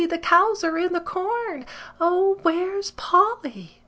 The cows are in the corn! O, where's Polly?"